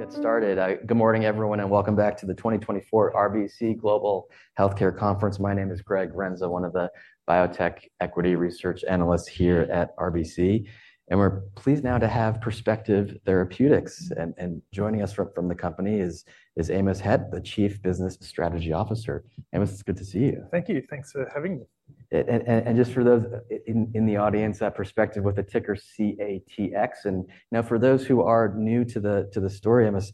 Get started. Good morning, everyone, and welcome back to the 2024 RBC Global Healthcare Conference. My name is Greg Renza, one of the biotech equity research analysts here at RBC, and we're pleased now to have Perspective Therapeutics. And joining us from the company is Amos Hedt, the Chief Business Strategy Officer. Amos, it's good to see you. Thank you. Thanks for having me. Just for those in the audience, that Perspective with the ticker CATX. Now for those who are new to the story, Amos,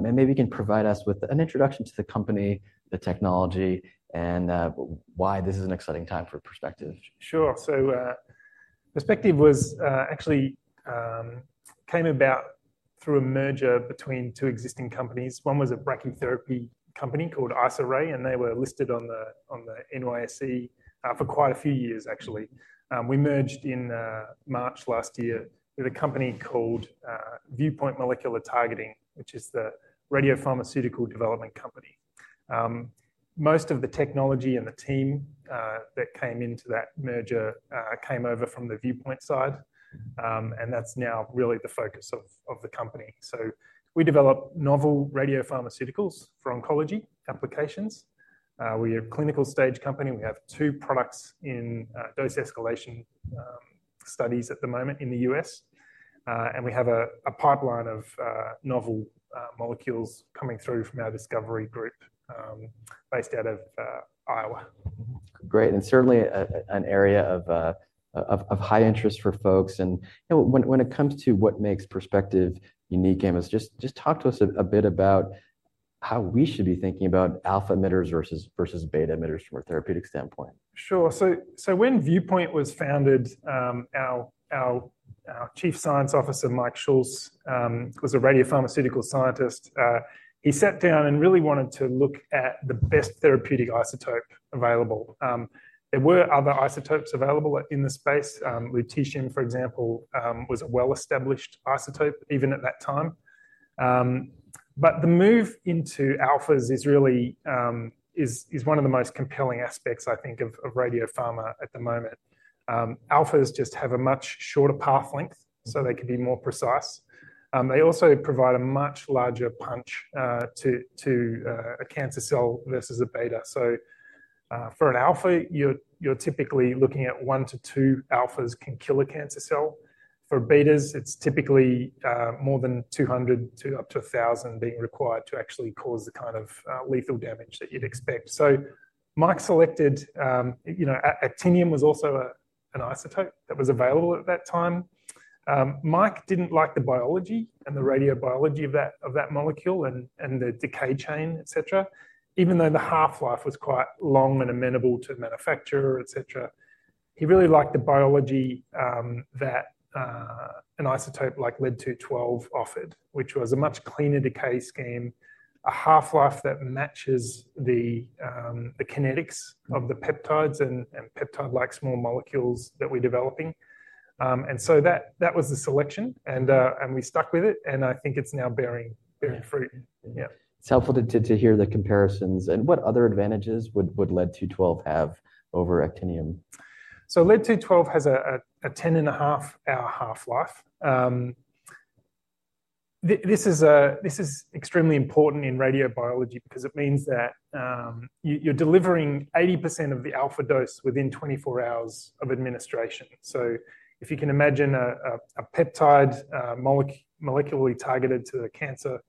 maybe you can provide us with an introduction to the company, the technology, and why this is an exciting time for Perspective. Sure. So, Perspective was actually came about through a merger between two existing companies. One was a brachytherapy company called Isoray, and they were listed on the NYSE for quite a few years, actually. We merged in March last year with a company called Viewpoint Molecular Targeting, which is the radiopharmaceutical development company. Most of the technology and the team that came into that merger came over from the Viewpoint side, and that's now really the focus of the company. So we develop novel radiopharmaceuticals for oncology applications. We're a clinical stage company. We have two products in dose escalation studies at the moment in the U.S., and we have a pipeline of novel molecules coming through from our discovery group based out of Iowa. Great, and certainly an area of high interest for folks. You know, when it comes to what makes Perspective unique, Amos, just talk to us a bit about how we should be thinking about alpha emitters versus beta emitters from a therapeutic standpoint. Sure. So when Viewpoint was founded, our Chief Science Officer, Mike Schultz, was a radiopharmaceutical scientist. He sat down and really wanted to look at the best therapeutic isotope available. There were other isotopes available in the space. Lutetium, for example, was a well-established isotope, even at that time. But the move into alphas is really one of the most compelling aspects, I think, of radiopharma at the moment. Alphas just have a much shorter path length, so they can be more precise. They also provide a much larger punch to a cancer cell versus a beta. So for an alpha, you're typically looking at one to two alphas can kill a cancer cell. For betas, it's typically more than 200 to up to 1,000 being required to actually cause the kind of lethal damage that you'd expect. So Mike selected. You know, actinium was also an isotope that was available at that time. Mike didn't like the biology and the radiobiology of that molecule and the decay chain, et cetera, even though the half-life was quite long and amenable to manufacture, et cetera. He really liked the biology that an isotope like Lead-212 offered, which was a much cleaner decay scheme, a half-life that matches the kinetics of the peptides and peptide-like small molecules that we're developing. And so that was the selection, and we stuck with it, and I think it's now bearing fruit. Yeah. It's helpful to hear the comparisons. And what other advantages would Lead-212 have over actinium? So Lead-212 has a 10.5-hour half-life. This is extremely important in radiobiology because it means that you're delivering 80% of the alpha dose within 24 hours of administration. So if you can imagine a peptide molecularly targeted to the cancer,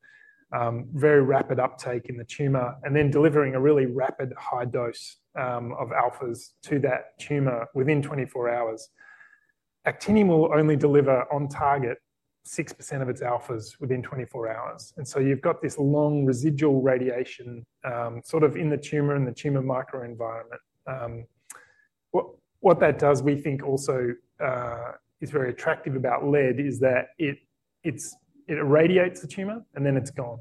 very rapid uptake in the tumor, and then delivering a really rapid high dose of alphas to that tumor within 24 hours. Actinium will only deliver on target 6% of its alphas within 24 hours, and so you've got this long residual radiation sort of in the tumor and the tumor microenvironment. What that does, we think also, is very attractive about Lead, is that it irradiates the tumor, and then it's gone.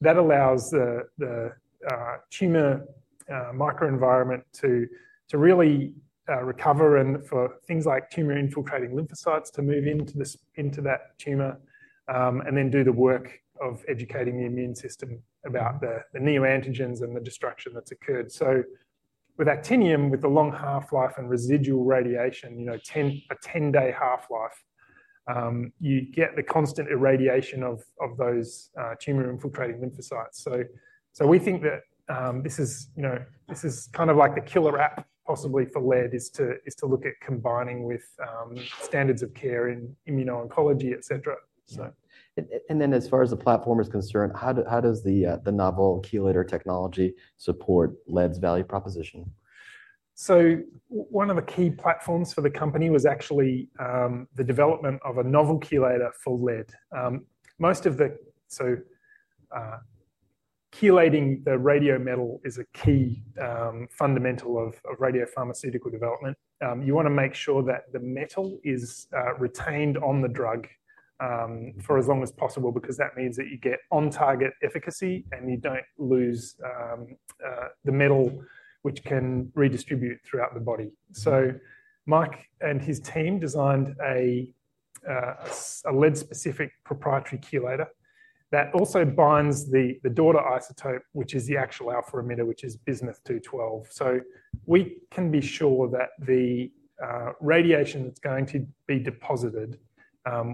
That allows the tumor microenvironment to really recover and for things like tumor-infiltrating lymphocytes to move into this into that tumor, and then do the work of educating the immune system about the neoantigens and the destruction that's occurred. So with actinium, with the long half-life and residual radiation, you know, a 10-day half-life, you get the constant irradiation of those tumor-infiltrating lymphocytes. So we think that this is, you know, this is kind of like the killer app, possibly for lead, is to look at combining with standards of care in immuno-oncology, et cetera. So- And then as far as the platform is concerned, how does the novel chelator technology support lead's value proposition? So one of the key platforms for the company was actually the development of a novel chelator for lead. So chelating the radiometal is a key fundamental of radiopharmaceutical development. You wanna make sure that the metal is retained on the drug for as long as possible, because that means that you get on-target efficacy, and you don't lose the metal, which can redistribute throughout the body. So Mike and his team designed a lead-specific proprietary chelator that also binds the daughter isotope, which is the actual alpha emitter, which is Bismuth-212. So we can be sure that the radiation that's going to be deposited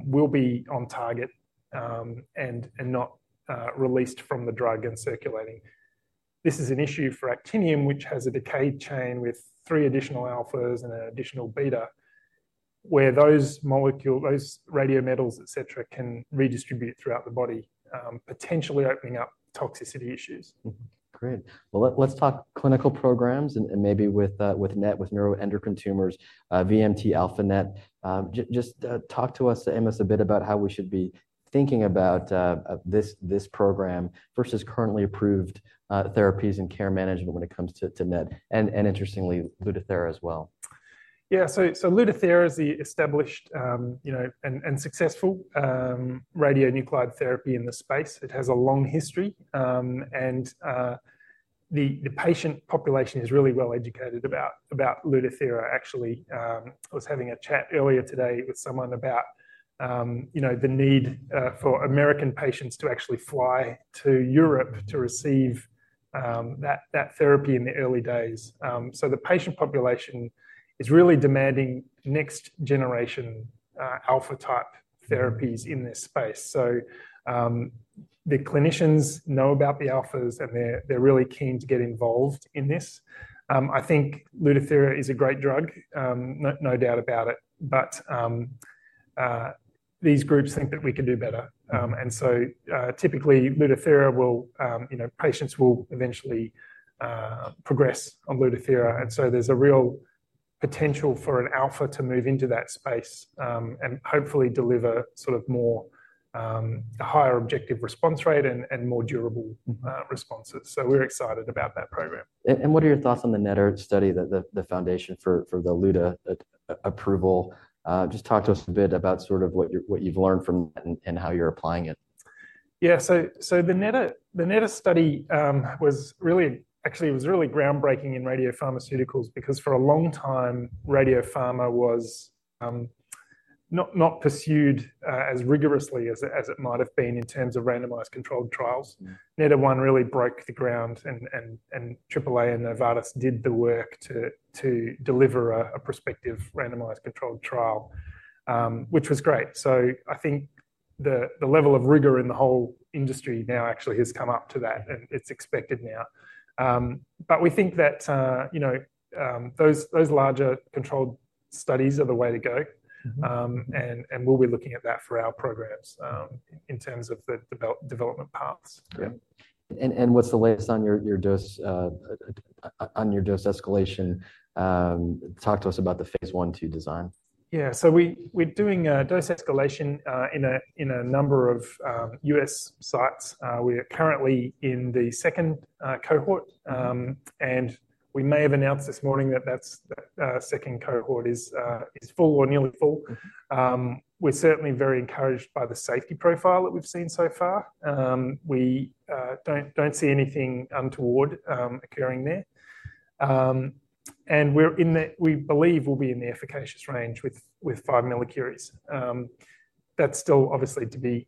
will be on target, and not released from the drug and circulating. This is an issue for Actinium, which has a decay chain with three additional alphas and an additional beta, where those radiometals, etc., can redistribute throughout the body, potentially opening up toxicity issues. Mm-hmm. Great. Well, let's talk clinical programs and maybe with NET, with neuroendocrine tumors, VMT-α-NET. Just talk to us, Amos, a bit about how we should be thinking about this program versus currently approved therapies and care management when it comes to NET, and interestingly, Lutathera as well. Yeah. So Lutathera is the established, you know, and successful radionuclide therapy in the space. It has a long history, and the patient population is really well educated about Lutathera. Actually, I was having a chat earlier today with someone about, you know, the need for American patients to actually fly to Europe to receive that therapy in the early days. So the patient population is really demanding next generation alpha-type therapies in this space. So the clinicians know about the alphas, and they're really keen to get involved in this. I think Lutathera is a great drug, no doubt about it, but these groups think that we can do better. Typically, Lutathera will, you know, patients will eventually progress on Lutathera, and so there's a real potential for an alpha to move into that space, and hopefully deliver sort of more a higher objective response rate and more durable responses. So we're excited about that program. And what are your thoughts on the NETTER study that the foundation for the Lutathera approval? Just talk to us a bit about sort of what you've learned from it, and how you're applying it. Yeah. So the NETTER, the NETTER study, was really... Actually, it was really groundbreaking in radiopharmaceuticals, because for a long time, radiopharma was not pursued as rigorously as it might have been in terms of randomized controlled trials. NETTER-1 really broke the ground, and AAA and Novartis did the work to deliver a prospective randomized controlled trial, which was great. So I think the level of rigor in the whole industry now actually has come up to that, and it's expected now. But we think that, you know, those larger controlled studies are the way to go. Mm-hmm. We'll be looking at that for our programs, in terms of the development paths. Yeah. And what's the latest on your dose escalation? Talk to us about the phase I/II design. Yeah. So we're doing a dose escalation in a number of U.S. sites. We are currently in the second cohort, and we may have announced this morning that that's second cohort is full or nearly full. We're certainly very encouraged by the safety profile that we've seen so far. We don't see anything untoward occurring there. And we believe we'll be in the efficacious range with 5 millicuries. That's still obviously to be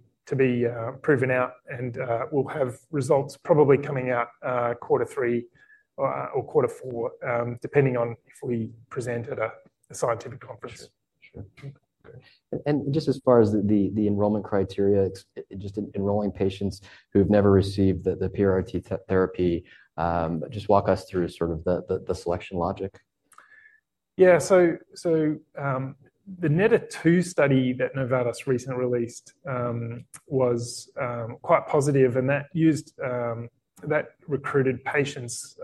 proven out, and we'll have results probably coming out quarter three or quarter four, depending on if we present at a scientific conference. Sure, sure. Just as far as the enrollment criteria, just enrolling patients who've never received the PRRT therapy, just walk us through sort of the selection logic. Yeah. So, the NETTER-2 study that Novartis recently released was quite positive, and that used. That recruited patients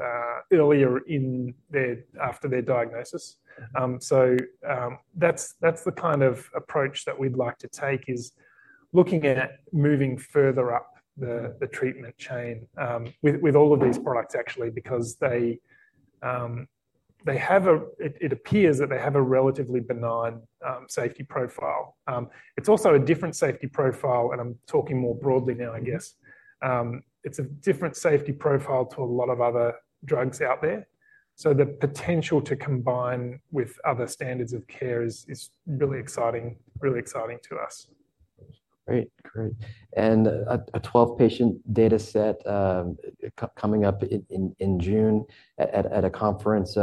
earlier in their—after their diagnosis. Mm-hmm. So, that's the kind of approach that we'd like to take, is looking at moving further up the treatment chain with all of these products, actually, because they have a-- it appears that they have a relatively benign safety profile. It's also a different safety profile, and I'm talking more broadly now, I guess. It's a different safety profile to a lot of other drugs out there, so the potential to combine with other standards of care is really exciting, really exciting to us. Great. Great. And a 12-patient data set coming up in June at a conference,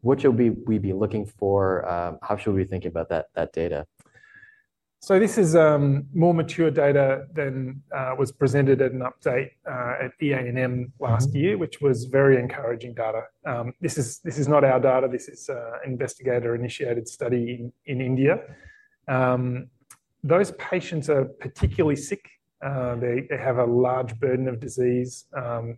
what should we be looking for? How should we think about that data? This is more mature data than was presented at an update at EANM last year. Mm-hmm... which was very encouraging data. This is not our data. This is an investigator-initiated study in India. Those patients are particularly sick. They have a large burden of disease,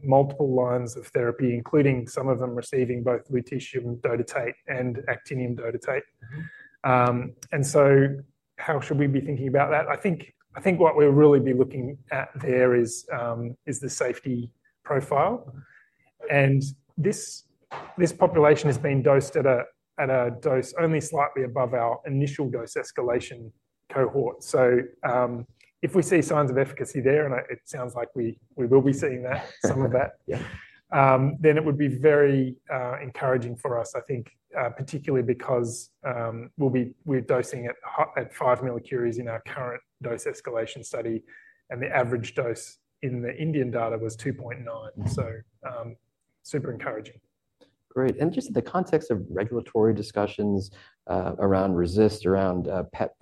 multiple lines of therapy, including some of them receiving both Lutetium dotatate and Actinium dotatate. Mm-hmm. And so how should we be thinking about that? I think what we'll really be looking at there is the safety profile. This population has been dosed at a dose only slightly above our initial dose escalation cohort. If we see signs of efficacy there, and it sounds like we will be seeing that, some of that- Yeah... then it would be very encouraging for us, I think, particularly because we're dosing at five millicuries in our current dose escalation study, and the average dose in the Indian data was 2.9. So, super encouraging. Great! And just the context of regulatory discussions around RECIST, around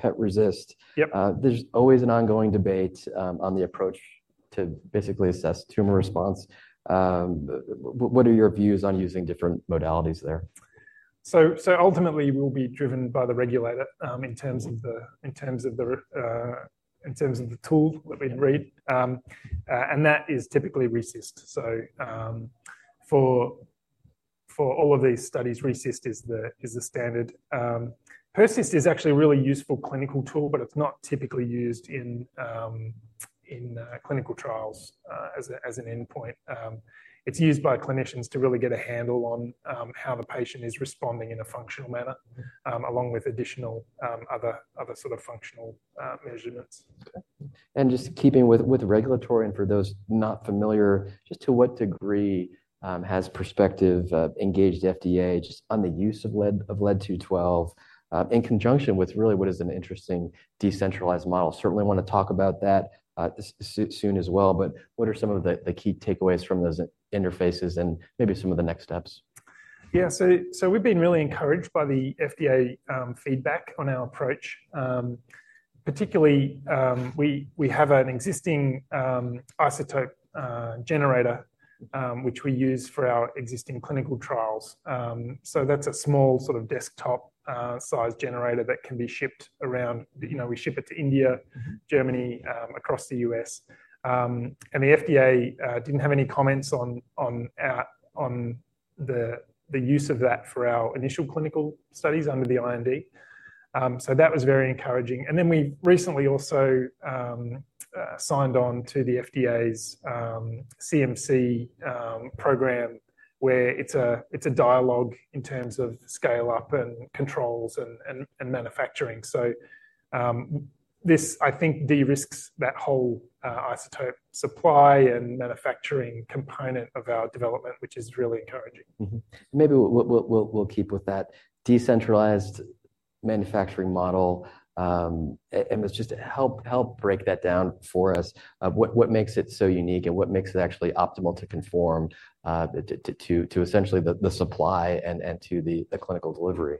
PERCIST. Yep. There's always an ongoing debate on the approach to basically assess tumor response. What are your views on using different modalities there? So ultimately, we'll be driven by the regulator in terms of the tool that we read, and that is typically RECIST. So for all of these studies, RECIST is the standard. PERCIST is actually a really useful clinical tool, but it's not typically used in clinical trials as an endpoint. It's used by clinicians to really get a handle on how the patient is responding in a functional manner, along with additional other sort of functional measurements. Just keeping with regulatory, and for those not familiar, just to what degree has Perspective engaged FDA just on the use of Lead-212 in conjunction with really what is an interesting decentralized model? Certainly want to talk about that soon as well, but what are some of the key takeaways from those interfaces and maybe some of the next steps? Yeah. So we've been really encouraged by the FDA feedback on our approach. Particularly, we have an existing isotope generator which we use for our existing clinical trials. So that's a small sort of desktop size generator that can be shipped around. You know, we ship it to India, Germany, across the U.S. And the FDA didn't have any comments on the use of that for our initial clinical studies under the IND. So that was very encouraging. And then we've recently also signed on to the FDA's CMC program, where it's a dialogue in terms of scale up and controls and manufacturing. So this, I think, de-risks that whole isotope supply and manufacturing component of our development, which is really encouraging. Mm-hmm. Maybe we'll keep with that decentralized manufacturing model and just help break that down for us. What makes it so unique and what makes it actually optimal to conform to essentially the supply and to the clinical delivery?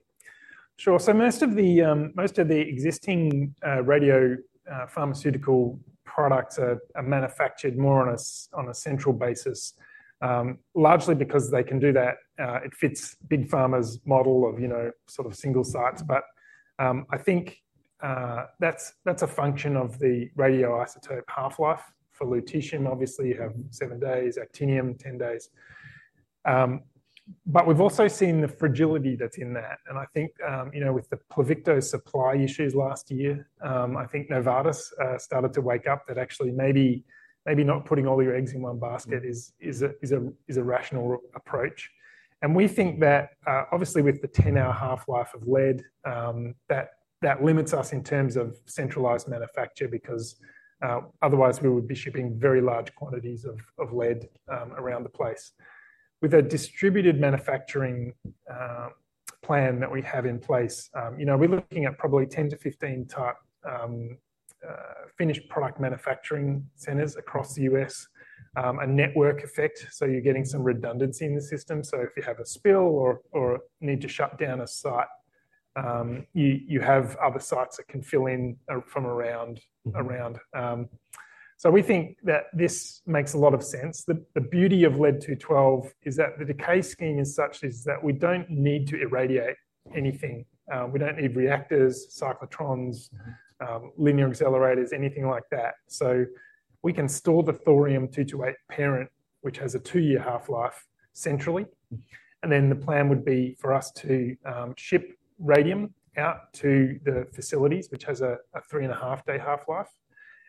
Sure. So most of the most of the existing radiopharmaceutical products are manufactured more on a central basis, largely because they can do that, it fits Big Pharma's model of, you know, sort of single sites. But, I think, that's a function of the radioisotope half-life. For lutetium, obviously, you have seven days, actinium, 10 days. But we've also seen the fragility that's in that, and I think, you know, with the Pluvicto supply issues last year, I think Novartis started to wake up that actually maybe not putting all your eggs in one basket is a rational approach. We think that, obviously, with the 10-hour half-life of lead, that limits us in terms of centralized manufacture, because, otherwise we would be shipping very large quantities of lead around the place. With a distributed manufacturing plan that we have in place, you know, we're looking at probably 10-15 type finished product manufacturing centers across the U.S., a network effect, so you're getting some redundancy in the system. So if you have a spill or need to shut down a site, you have other sites that can fill in from around. So we think that this makes a lot of sense. The beauty of Lead-212 is that the decay scheme is such that we don't need to irradiate anything. We don't need reactors, cyclotrons, linear accelerators, anything like that. So we can store the Thorium-228 parent, which has a two-year half-life centrally, and then the plan would be for us to ship radium out to the facilities, which has a 3.5-day half-life,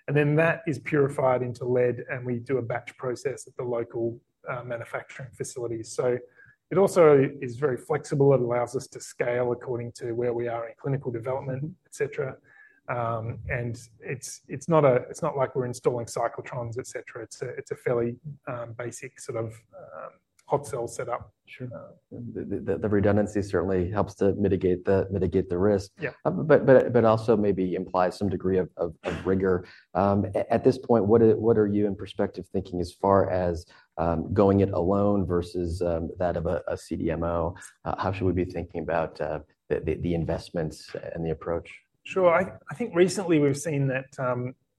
and then that is purified into lead, and we do a batch process at the local manufacturing facilities. So it also is very flexible. It allows us to scale according to where we are in clinical development, etc. And it's not a. It's not like we're installing cyclotrons, etc. It's a fairly basic sort of hot cell setup. Sure. The redundancy certainly helps to mitigate the risk. Yeah. But also maybe implies some degree of rigor. At this point, what are you in Perspective thinking as far as going it alone versus that of a CMO? How should we be thinking about the investments and the approach? Sure. I think recently we've seen that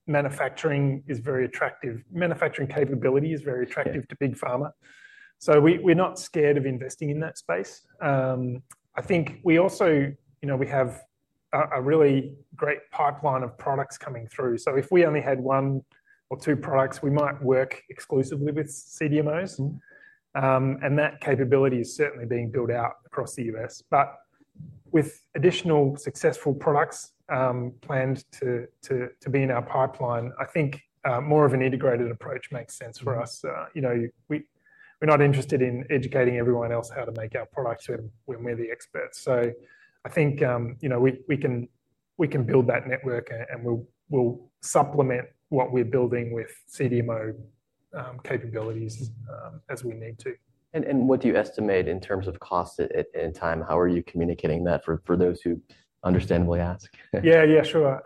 manufacturing capability is very attractive. Yeah... to Big Pharma, so we're not scared of investing in that space. I think we also, you know, we have a really great pipeline of products coming through, so if we only had one or two products, we might work exclusively with CDMOs. Mm-hmm. And that capability is certainly being built out across the U.S. But with additional successful products planned to be in our pipeline, I think, more of an integrated approach makes sense for us. Mm-hmm. You know, we're not interested in educating everyone else how to make our products when we're the experts. So I think, you know, we can build that network, and we'll supplement what we're building with CDMO capabilities as we need to. What do you estimate in terms of cost and time? How are you communicating that for those who understandably ask? Yeah, yeah, sure.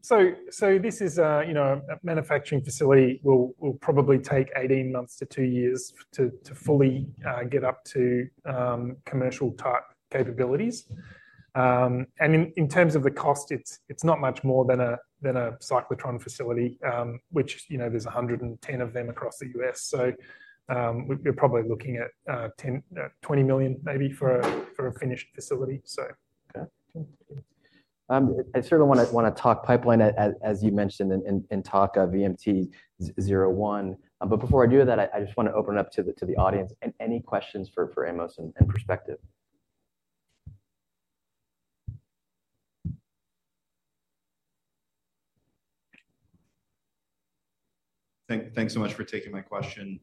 So, this is a, you know, a manufacturing facility will probably take 18 months to two years to fully get up to commercial type capabilities. And in terms of the cost, it's not much more than a cyclotron facility, which, you know, there's 110 of them across the U.S. So, we're probably looking at $10-$20 million, maybe for a finished facility, so. Okay. I sort of wanna talk pipeline, as you mentioned in talk of VMT-01. But before I do that, I just want to open it up to the audience, and any questions for Amos and Perspective. Thanks so much for taking my question.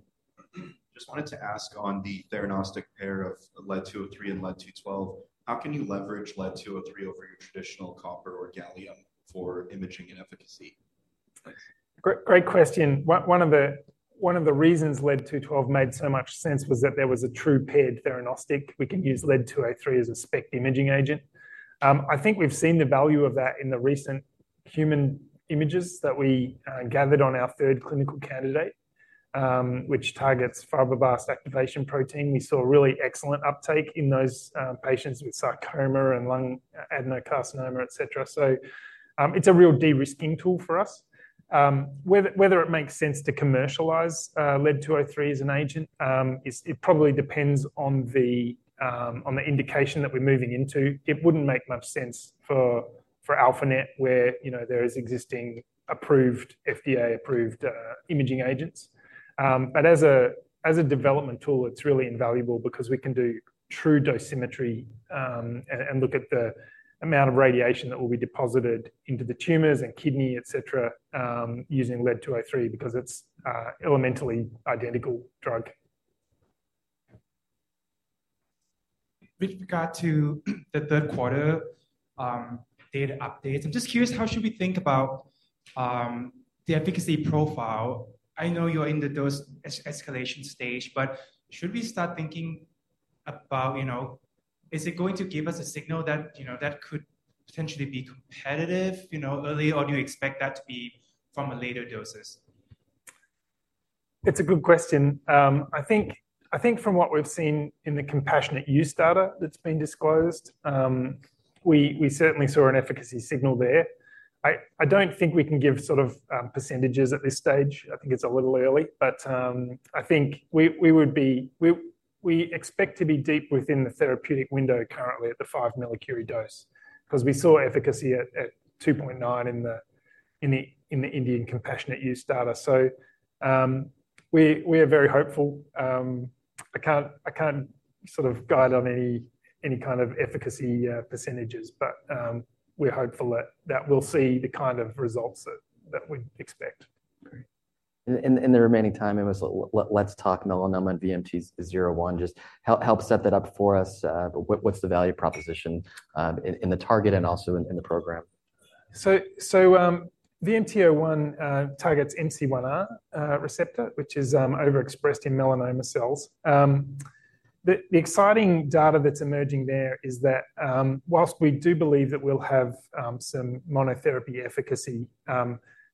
Just wanted to ask on the theranostic pair of Lead-203 and Lead-212, how can you leverage Lead-203 over your traditional copper or gallium for imaging and efficacy? Great, great question. One of the reasons Lead-212 made so much sense was that there was a true paired theranostic. We can use Lead-203 as a SPECT imaging agent. I think we've seen the value of that in the recent human images that we gathered on our third clinical candidate, which targets fibroblast activation protein. We saw a really excellent uptake in those patients with sarcoma and lung adenocarcinoma, etc. It's a real de-risking tool for us. Whether it makes sense to commercialize Lead-203 as an agent is. It probably depends on the indication that we're moving into. It wouldn't make much sense for Alpha-NET, where, you know, there is existing approved, FDA-approved imaging agents. But as a development tool, it's really invaluable because we can do true dosimetry, and look at the amount of radiation that will be deposited into the tumors and kidney, etc., using Lead-203, because it's a elementally identical drug. With regard to the third quarter, data updates, I'm just curious, how should we think about, the efficacy profile? I know you're in the dose escalation stage, but should we start thinking about, you know, is it going to give us a signal that, you know, that could potentially be competitive, you know, early, or do you expect that to be from a later doses? It's a good question. I think from what we've seen in the compassionate use data that's been disclosed, we certainly saw an efficacy signal there. I don't think we can give sort of percentages at this stage. I think it's a little early, but I think we would be, we expect to be deep within the therapeutic window currently at the 5 millicurie dose, 'cause we saw efficacy at 2.9 in the Indian compassionate use data. So, we are very hopeful. I can't sort of guide on any kind of efficacy percentages, but we're hopeful that we'll see the kind of results that we'd expect. Great. In the remaining time, Amos, let's talk melanoma and VMT-01. Just help set that up for us. What's the value proposition in the target and also in the program? So, VMT-01 targets MC1R receptor, which is overexpressed in melanoma cells. The exciting data that's emerging there is that whilst we do believe that we'll have some monotherapy efficacy,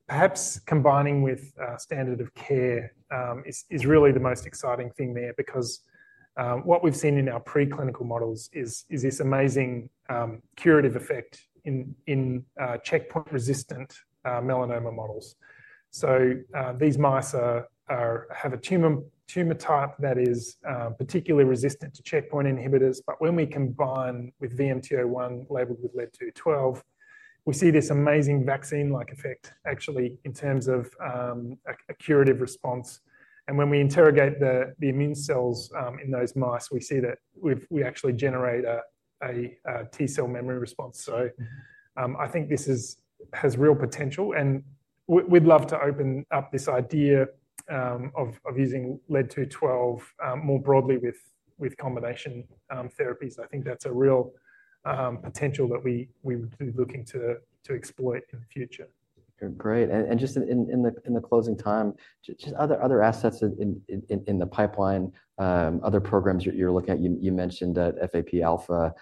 perhaps combining with standard of care is really the most exciting thing there. Because what we've seen in our preclinical models is this amazing curative effect in checkpoint-resistant melanoma models. So these mice have a tumor type that is particularly resistant to checkpoint inhibitors, but when we combine with VMT-01 labeled with Lead-212, we see this amazing vaccine-like effect, actually, in terms of a curative response. And when we interrogate the immune cells in those mice, we see that we actually generate a T cell memory response. So, I think this has real potential, and we'd love to open up this idea of using Lead-212 more broadly with combination therapies. I think that's a real potential that we would be looking to exploit in the future. Great. And just in the closing time, just other assets in the pipeline, other programs you're looking at, you mentioned that FAP alpha,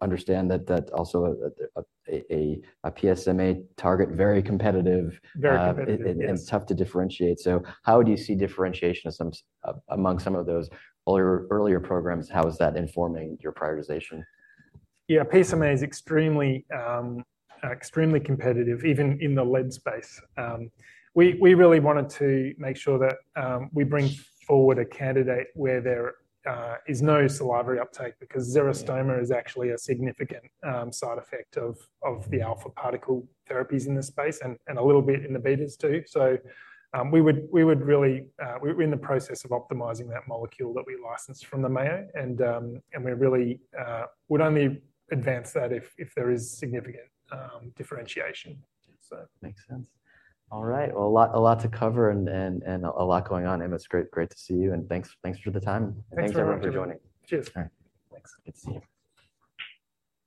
understand that also a PSMA target, very competitive- Very competitive, yes. It's tough to differentiate. So how do you see differentiation among some of those earlier programs? How is that informing your prioritization? Yeah, PSMA is extremely, extremely competitive, even in the lead space. We really wanted to make sure that we bring forward a candidate where there is no salivary uptake, because xerostomia is actually a significant side effect of the alpha particle therapies in this space, and a little bit in the betas too. So, we would really... We're in the process of optimizing that molecule that we licensed from the Mayo, and we really would only advance that if there is significant differentiation. So- Makes sense. All right. Well, a lot, a lot to cover and, and, and a lot going on. Amos, great, great to see you, and thanks, thanks for the time. Thanks, everyone. Thanks, everyone, for joining. Cheers. All right. Thanks. Good to see you.